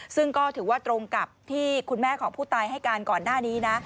ซึ่งก็ถือว่าตรงกับที่คุณแม่ของผู้ตายให้การก่อนหน้านี้นะ